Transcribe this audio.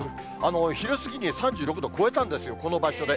昼過ぎに３６度を超えたんですよ、この場所で。